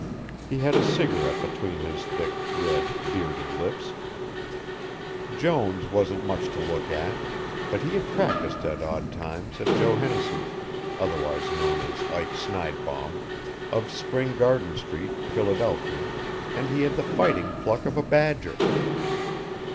He had a cigarette between his thick, red, bearded lips. Jones wasn't much to look at, but he had practised at odd times at Joe Hennessy's, otherwise known as Ike Snidebaum, of Spring Garden Street, Philadelphia, and he had the fighting pluck of a badger.